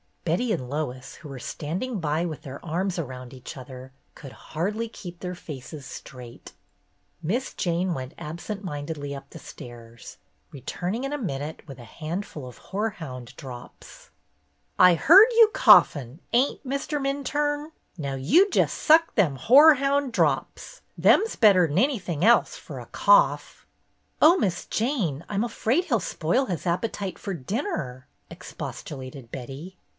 Betty and Lois, who were standing by with their arms around each other, could hardly keep their faces straight. Miss Jane went absent mindedly up the stairs, returning in a minute with a handful of hoarhound drops. 222 BETTY BAIRD'S GOLDEN YEAR "I heard you coughin', ain't, Mr. Minturne ? Now you jes' suck them hoarhound drops. Them 's better 'n anything else fer a cough." "Oh, Miss Jane, I'm afraid he'll spoil his appetite for dinner," expostulated Betty.